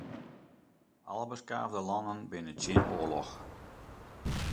Alle beskaafde lannen binne tsjin oarloch.